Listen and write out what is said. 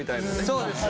そうです。